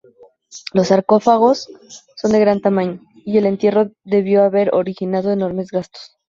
Los sarcófagos son de gran tamaño, y el entierro debió haber originado enormes gastos.